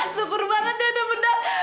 super banget ya ada bedak